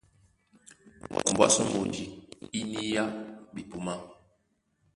Ombwá sɔ́ mbonji í niyá ɓepumá.